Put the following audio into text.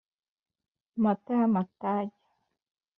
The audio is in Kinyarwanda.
Mata y’amatage.